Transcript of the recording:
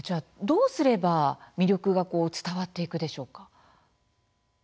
どうすれば魅力が伝わっていくでしょうか。